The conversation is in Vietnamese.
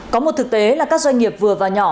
có một thực tế là các doanh nghiệp vừa và nhỏ